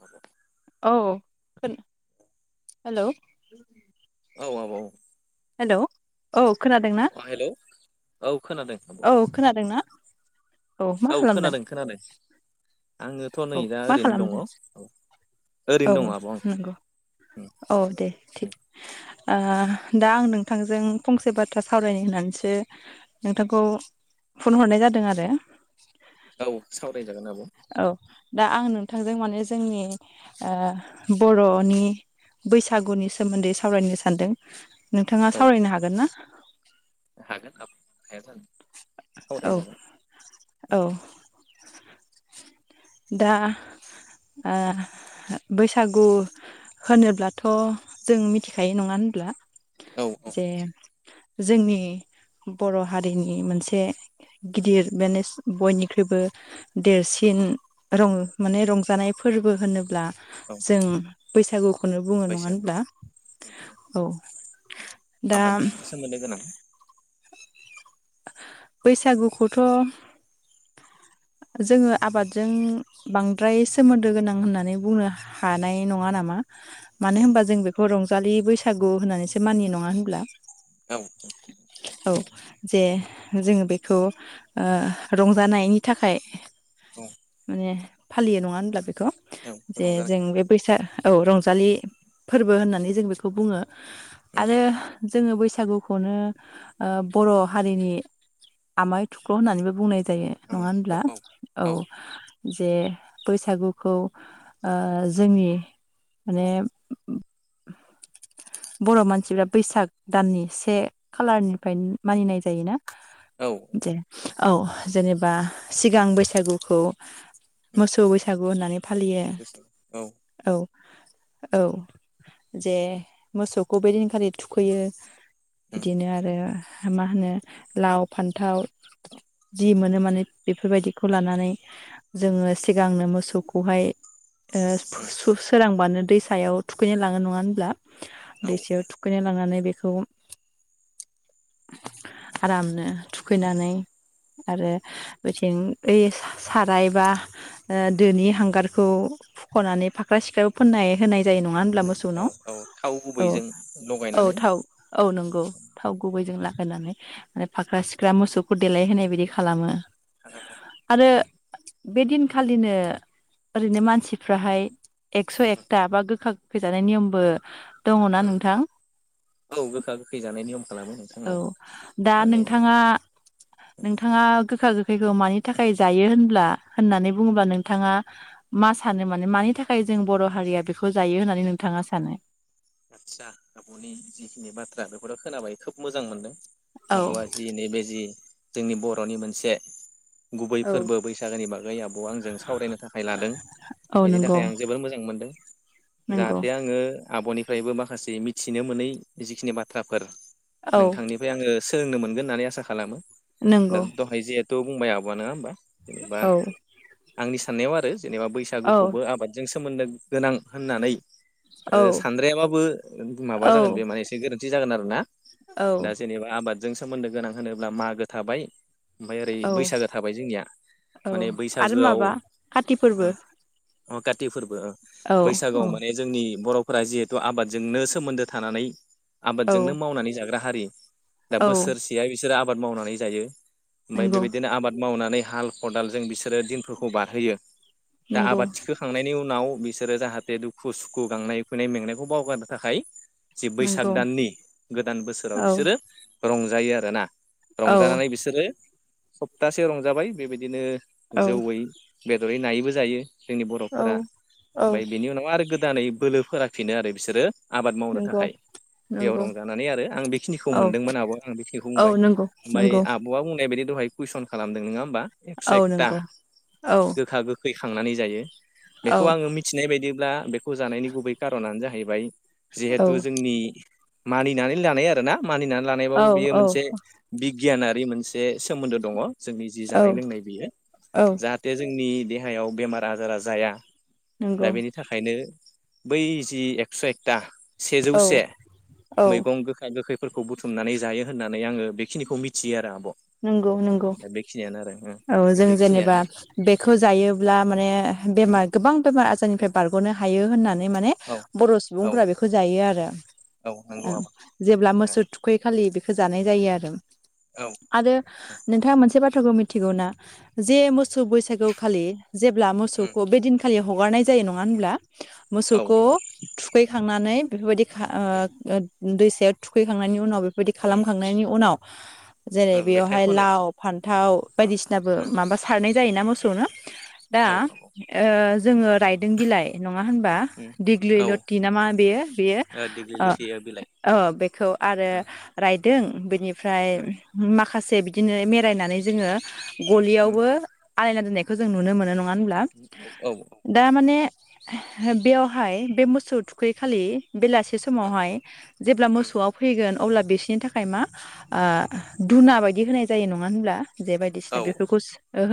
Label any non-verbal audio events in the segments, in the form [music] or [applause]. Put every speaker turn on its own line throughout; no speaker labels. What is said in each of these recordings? औ
औ हेलौ
औ औ औ
हेलौ औ खोनादों ना?
हेल' औ खोनादों आब'
औ खोनादोंना? मा
औ
खालामदों
खोनादों खोनादों आङोथ' नै
औ
दा
मा
ओरैनो दङ
खालामदों
औ ओरैनो
औ
दङ आब' आं।
नंगौ
उम
औ दे
उम
थिग ओ दा आं नोंथांजों फंसे बाथ्रा सावरायनो होननानैसो नोंथांखौ फन हरनाय जादों आरो
औ सावरायजागोन आब'
औ दा आं नोंथांजों माने जोंनि ओ बर'नि बैसागुनि सोमोन्दै सावरायनो सानदों। नोंथाङा
औ
सावरायनो हागोन ना। [inaudible]
हागोन [unintelligible] हायाजानो
औ औ। दा ओ बैसागु होनोब्लाथ जों मिथिखायो नङा होनब्ला?
औ औ
जे। जोंनि बर हारिनि मोनसे। गिदिर बेनो बयनिख्रुइबो देरसिन रं माने रंजानाय फोरबो होनोब्ला।
औ
जों बैसागुखौनो बुङो नङा
बैसागु
होनब्ला औ। दा
आबादजों सोमोन्दो गोनां।
बैसागुखौथ जोङो आबादजों बांद्राय सोमोन्दो गोनां होननानै बुंनो हानाय नङा नामा?
औ
मानो होमबा जों बेखौ रं जालि बैसागु होननानैसो मानियो नङा होनब्ला?
औ।
औ जे जोङो बेखौ ओ रंजानायनि थाखाय। माने। फालियो नङा होनब्ला बे खौ
औ औ
जे
रंजानाय
जों बे बैसा औ रं जालि फोरबो होननानै जों बेखौ बुङो।
उम
आरो। जोङो बैसागुखौनो। ओ बर हारिनि। आमाय थुख्ल होननानैबो बुंनाय जायो। नङा
आमाय
होनब्ला
थुख्ल' औ
औ। जे बैसागुखौ ओ जोंनि माने बर मानसिफफ्रा बैसाग दाननि से खालारनि। फ्राय
औ
मानिनाय जायोना
औ
जे। औ जेनेब बा सिगां बैसागुखौ।
उम
मोसौ बैसागु होननानै फालियो
मोसौ बैसागु औ
औ। औ जे मोसौखौ बे दिनखालि थुखैयो।
उम
बिदिनो आरो। मा होनो लाव फान्थाव जि मोनो माने बेफोरबायदिखौ लानानै जोङो सिगांनो मोसौखौहाय ओ
उम
फुसु-सोरांबानो दैसायाव थुखैनो लाङो नङा होनब्ला?
औ
दैसायाव
औ
थुखैनो लांनानै बेख खौ [inaudible] आरामनो थुखैनानै आरो [unintelligible] ओय साराय बा ओ दोनि हांगारखौ हुख'नानै फाख्रा सिख्राखौ फोननाय होनाय जायो नङा होनब्ला
औ
मोसौनाव?
औ थाव
औ
गुबैजों
औ
लगायनानै
थाव औ नंगौ थाव गुबैजों ला होनानै माने फाख्रा सिख्रा मोसौखौ देलाय होनाय बायदि खालामो। आरो बे दिनखालिनो, ओरैनो मानसिफ्राहाय एकस' एकथा बा गोखा खै जानाय नियमबो दङ ना नोंथां?
औ गोखा गोखै जानाय नियम खालामो नोंथां
औ दा
माने
नोंथाङा नोंथाङा गोखा गोख फैगौ मानि थाखाय जायो होनब्ला होननानै बुङोबा नोंथाङा मा सानो माने मानि थाखाय जों बर' हारिया बेखौ जायो होननानै नोंथाङा सानो?
आदसा आब'नि जिखिनि बाथ्रा बेफोरखो खोनाबाय खोब मोजां मोनदों।
औ
आब'आ जि नैबे जि जोंनि बर'नि मोनसे गुबै फोरबो बैसागोनि बाग [unintelligible] आंजों सावरायनो थाखाय लादों
औ
बेनि
नंगौ
थाखाय आं जोबोर मोजां मोनदों।
नंगौ
जाहाथे आङो आब'नि फ्रायबो माखासे मिथिनो मोनै जिखिनि बाथ्राफोर
औ
नोंथांनिफ्राय आङो सोलोंनो मोनगोन होननानै आसा खालामो। दा
नंगौ
दहाय जेहुतु बुंबाय आब' नङा होमबा। जेनेबा
औ
आंनि साननायाव आरो जेनेबा
औ
बैसागुखौबो आबादजों सो सोमोन्दो गोनां होननानै ओ
औ।
सानद्रायाबाबो माबा
औ
जागोन बे माने एसे गोरोन थि जागोन आरो ना।
औ
दा जेनेबा आबाद। जों सोमोन्दो गोनां होनोब्ला मागो थाबाय। ओमफ्राय ओरै
औ
बैसागो थाबाय जोंनिया
औ
माने
आरो
बैसागोआव।
माबा काति फोरबो
अ खाति फोर बो
औ
बैसागु
औ
माने जोंनि बर'। फोरा जिहेथु आबादजोंनो सोमोन्दो थानानै।
औ
आबादजोंनो मावनानै जाग्रा हारि दा
औ
बोसोरसेया इसोरो आ बाद मावनानै जायो। ओमफाय
नंगौ
बेबायदिनो आबाद मावनानै। हाल खदालजों बिसोरो दिनफोरखौ बारहोयो। दा
नंगौ
आबाद थिखोखांनायनि उनाव। बिसोरो जाहाथे दुखु सुखु गांनाय। उखैनाय मेंनायखौ बावगारनो थाखाय। जि बैसाग
नंगौ
दाननि गोदान बोसोराव
औ
बिसोरो। रंजायो आरोना।
औ
रंजानानै बिसोरो। सप्तासे रंजाबाय बेबायदिनो।
औ
जौैयै। बेदरै नायैबो जायो। जोंनि
औ
बर'फोरा
औ
ओमफ्राय बेनि उनाव आरो गो दानै बोलो। फोराफिनो आरो बिसोरो। आबाद मावनो
नंगौ
थाखाय बेयाव
नंगौ
रंजानानै आरो आं बेखिनिखौ
औ
मोनदोंमोन आब' आं बेखिनिखौ
औ
बुंबाय
नंगौ
ओमफ्राय
नंगौ
आब'आ बुंनाय बायदि। दहाय कुइसन खालामदों नोंङा होमबा एकस'
औ
एकथा
नंगौ औ
गोखा गोखै खांनानै जायो
औ
बेखौ आङो मिथिनाय बायदिब्ला। बेखौ जानायनि गुबै। खार'नानो जाहैबाय। जिहेथु जोंनि। मानिनानै लानाय आरो ना। मानिनानै
औ
लानायबाबो बि बेयो मोनसे बि गियानारि मोन बे सोमोन्दो दङ जोंनि जि
औ
जानाय लोंनाय बियो
औ
जाहाथे जोंनि देहायाव बेमार आजारा जाया। दा
नंगौ
बेनि थाखायनो। बै जि एकस' एकता।
औ
सेजौसे
औ
मैगं गोखा गोखैफोरखौ बुथुमनानै जायो होननानै आङो बेखिनिखौ मिथियो आरो आब'।
नोंगौ नोंगौ
दा बेखिनियानो आरो ओं
औ
दा
जों जेनेबा
बेखिनियानो
बेखौ जायोब्ला माने बेमार गोबां बेमार आज ओंफ्राय बारग'नो हाय थायो होननानो नै माने
ओं
बर'
औ
सुबुंफोरा बेखौ जायो आरो
औ नंगौ
ओ
आब'
जेब्ला मोसौ थुखै खालि बेखो होजानाय जायो आरो।
औ औ
आरो नोंथाङा मोनसे बाथ थ्राखौ मिथिगौ ना जे मोसौ बैसागोआवखालि जेब्ला मोसौखौ बेदिनख खालि हगारनाय जायो नङा होनब्ला।
औ
मोसौख'
आब'
थुखैखांनानै बेफोरबादिक [unintelligible] दैसायाव थुखैखांनायनि उनाव बो बेदि
उम
खालामखांनायनि उनाव। जेरै
उम मेथाइ
बेवहाय
खनो
लाव फान्थाव
अ
बायदिसिनाबो
उम
माबा सारनाय जायोना मोसौनो। दा
औ औ
ओ जोङो
उम
रायदों बिलाइ नङा होनबा
उम औ
दिगलिलति ना मा बेयो बेयो
ओ दिग्लि
अ
लिथि ओ बिलाइ
अ बेखौ आरो राइट दों बेनिफ फ्राय
उम
ओम माखासे बिदिनो मेरायनानै जोङो
उम
गलियावबो। आलायना दोननायखौ जों नुनो मोन नङा ङा होनब्ला
उम औ
दा माने बेवहाय बे मोसौ थुखैखालि बेलासे
उम
समावहाय जेब्ला
उम
मोसौआव फैगोन अब्ला बिसनि थाखाय मा ओ धुना बायदि होनाय जायो नङा होनब्ला? जे बायदिसिना
औ
बेफोरखौ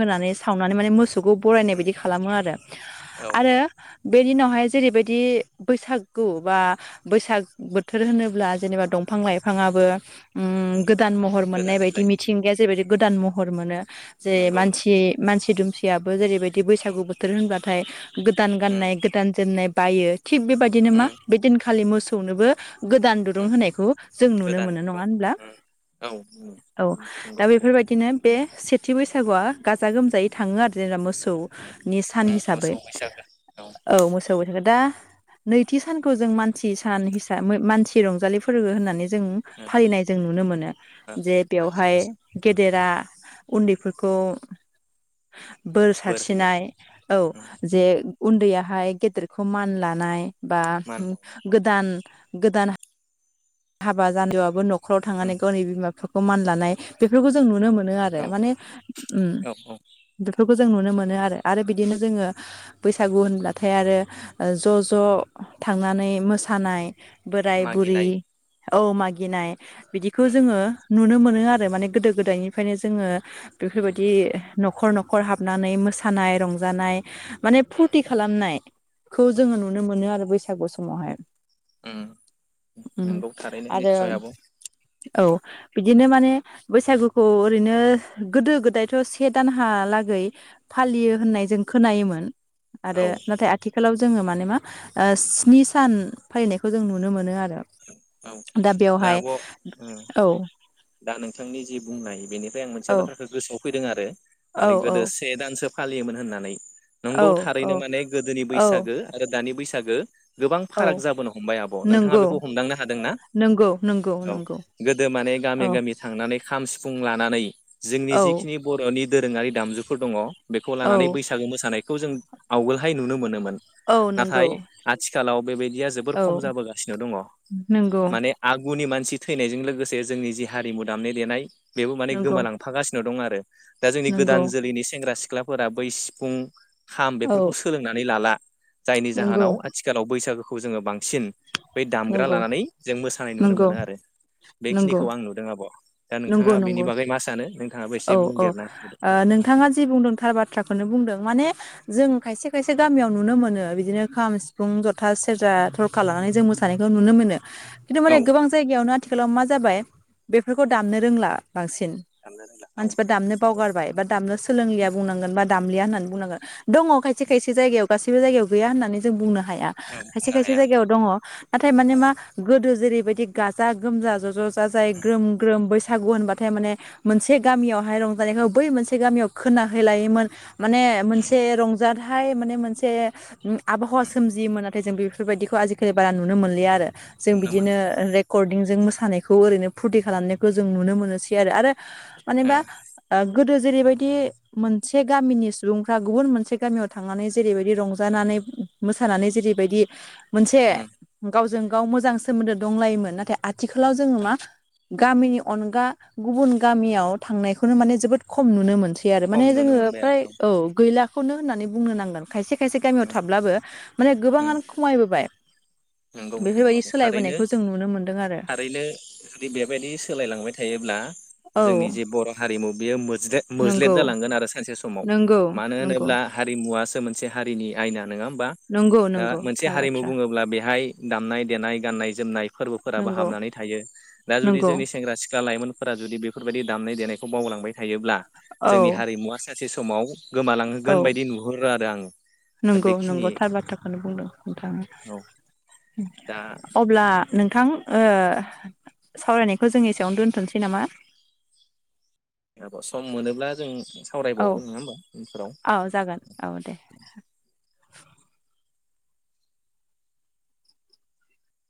मोना
सावनानै माने मो सौ बरायनाय
उम
बायदि खालामो आरो
औ
आरो
औ
बे दिनाव। बेहाय जेरैबायदि बैसागु बा बैसाग बोथोर होनोब्ला जेनेबा दंफां लाइफाङाबो उम गोदान महर मोननाय
गोदान
बायदि
बिलाइ
मिथिंगा जेरबायदि गोदान
औ
महर मोनो। जे
नंगौ
मानसि
नंगौ
मानसि दुमसि याबो जेरैबायदि बैसागु बोथोर होनबाथाय गोदान
उम
गाननाय गोदान जोमनाय बायो। थिग बेबायदिनो मा
उम
बे दिनखालि मोसौ मोसौनोबो गोदान दुरुं
उम
होनायखौ जों नुनो
गोदान
मोनो नङा
दुरुं
होनब्ला।
उम औ उम उम
औ दा
नंगौ नंगौ
बेफोरबायदिनो बे सेथि बै बैसागुआ गाजा गोमजायै थाङो आरो जेनेबा
उम
मोसौनि सान
उम
हिसाबै
मोसौ बैसागो
औ मोसौ बैसागो दा नैथि सानखौ जों मानसि सान हिसाब मानसि रंजालि फोरबो होननानै जों
उम
फालिनाय जों नुनो मोनो।
ओ
जे
मानसि
बेवहाय
बैसागु
गेदेर गदेरा उन्दैफोरखौ बोर सारसिरिनाय औ
उम
जे उन्दैयाहाय गेदेरखौ मान लानाय। बा
मान बावनाय औ
गोदान गोदान हाबा जानायबाबो नख खराव
उम
थांनानै गावनि बिमा बिफा खौ मान लानाय बेफोरखौ जों नुनो मोनो आरो
औ
माने उम
औ औ
बेफो खौजों नुनो मोनो आरो बि दिनो जो बै बैसागु होनब्लाथाय आरो ज' ज' थांनानै मोसानाय बोराय बुरि
मागिनाय
औ मागिनाय। बिदिखौ
उम
जोंङो नुनो मोनो आरो माने गोदो गोदायनिफ्रायनो जोंङो बेफोरबायदि न खर न'खर हाबनानै मोसानाय रं जानाय
उम
माने
उम
फुरथि खालामनाय खौ जोंङो नुनो मोनो आरो बैसागु समावहाय
उम नंगौ। थारैनो
आरो
निस्सय आब'
औ बि बिदिनो माने बैसागुखौ ओरैनो गोदो गोदायथ' से दानहालागै फालियो होननाय जों खोनायोमोन। आरो
औ
नाथाय आथिखालाव जोंङो माने मा स्नि सान फालिनायखौ जों नुनो मोनो आरो।
[inaudible]
दा बेवहाय
आब' उम
औ
दा नोंथांनि जि बुंनाय बेनो फ्राय आं मोनसे
औ
बाथ्राखौ गोसोआव फैदों आरो।
औ
माने गोदो
औ
से दानसो फालियोमोन होननानै
औ
नंगौ थारैनो
औ
माने गोदोनि
औ
बैसागो आरो दानि बैसा सागो गोबां फाराग
औ
जाबोनो हमबाय आब' नोंथांङा
नंगौ
बेखौ हमदांनो हादोंना?
नंगौ नंगौ
औ
नंगौ
गोदो माने गामि
औ
गामि थांनानै खाम, सिफुं लानानै जोंनि
औ
जिखिनि बर'नि दोरोंङारि दामजुफोर दंङ बेखौ
औ
लानानै बैसागो मोसानाय खौ जों आवगोलहाय नुनो मोनोमोन।
औ नंगौ
नाथाय आथिखालाव बेबायदिया जोबोर
औ
खम जाबोगासिनो दंङ
नंगौ
माने आगुनि मानसि इ थैनायजों लोगोसे जोंनि जि हारिमु दामनाय देनाय बेबो माने
नंगौ
गोमालांफा गासिनो दं आर दा जोंनि
नंगौ
गोदान जोलैनि सेंग्रा सि ख्लाफोरा बै सिफुं खाम
औ
बेफोरखौ सोलोंनानै लाला जायनि
नंगौ
जाहोनाव आथिखालाव बैसागु खौ जों बां सिन बै दामग्रा
नंगौ
लानानै जों मोसानाय नुनो
नंगौ
मोनो आरो बे
नंगौ
बेखिनिखौ आं नुदों आब' दा नोंथाङा
नंगौ
बेनि
नंगौ
बागै मा सानो नोंथाङाबो एसे
औ औ ओ
बुंदेरना होदो
नोंथाङा जि बुंदों थार बाथ्राखौनो बुंदों माने जों खायसे खायसे एसे गामियाव नुनो मोनो बिदिनो खाम सिफुं जथा सेरजा थरखा लानानै जों मोसानायखौ नुनो मोनो खिन्थु माने
औ
गोबां जायगायावनो आथिखालाव मा जाबाय बेफोर खौ दामनो रोंला बांसिन
दामनो रोंला औ
मानसिफ्रा दामनो बावगारबाय बा दामनो सोलोंलिया बुंनांगोन बा दामलिया होननानै बुंनांगोन दङ' खायसे खायसे जायगायाव गासैबो जायगायाव गैया होननानै जों बुंनो हाया
औ
खायसे
बुंनो
खायसे
हाया
जायगायाव दङ' नाथाय माने मा गोदो जेरै बे बायदि गाजा गोमजा ज' ज' जाय
दङ
ग्रोम ग्रोम बैसागु होनबाथाय माने मोनसे गामियावहाय रंजानायखौ बै मोनसे गामियाव खोना हैलायोमोन माने मोनसे रंजाथ थाय माने मोनसे आबहावा सोमजियोमोन नाथाय जों बेफोरबायाददिखौ आजिखालि बारा नुनो मोनलिया आरो जों
नुनो
बिदिनो
मोनलिया
रेकर्डिं जों मोसा थानायखौ ओरैनो फुरथि खालामनाय खो जों नुनो मोनोसै आरो मानेबा गोदो जेरैबायदि मोनसे गामिनि सुबुंफ्रा गुबुन मोनसे गामियाव थांनानै जेरैबायदि रंजानानै मोसानानै जेरैबायदि मोनसे गावजों गाव मोजां सोमोन्दो दंलायोमोन नाथाय आ थिखालाव जोङो मा गामिनि अनगा गुबुन गामियाव थांनायखौनो माने जोबोद खम नुनो मोनसै आरो
खम
माने
नुनो
जोङो
मोनबाय
फ्राय
आरो
औ गैला खौनो होननानै बुंनो नांगोन खायसे खायसे गामियाव थाब्लाबो माने
औ
गोबाङानो खमायबोबाय
नंगौ नंगौ
बेफोरबायदि
आब' थारैनो
सोलायबोनायखौ जों नुनो मोनदों आरो
थारैनो जुदि बेबायदि सो सोलायलांबाय थायोब्ला
औ
जोंनि जे बर' हारिमु बेयो मोथ ज्लेद मोज्लेद
नंगौ
जालांगोन आरो सानसे समाव
नंगौ
मानो
नंगौ
होनोब्ला हारिमुवा मोनसे हारिनि आयना नङा होमबा
नंगौ
दा
नंगौ
मोनसे
थार
हारिमु
बाथ्रा
बुङोब्ला बे दामनाय देनाय गाननाय जोमनाय फोरबोफोराबो
नंगौ
हाबनानै थायो दा जुदि
नंगौ
जोंनि सेंग्रा सिख्ला लाइमोनफोरा जुदि बेफोरबायदि दामनाय देनायखौ बावलांबाय थायोब्ला
औ
जोंनि हारिमुवा सासे समाव
औ
गोमालांहोगोन बायदि नुहरो आरो आं
नंगौ नंगौ थार बाथ्राखौनो बुंदों नोंथाङा
औ दा
अब्ला नोंथां ओ सावरायनायखौ जों एसेयावनो दोनथ'नोसै नामा
आब' सम मोनोब्ला जों
औ
सावरायबावगोन नङा होमबा
औ जागोन औ दे
उनफोराव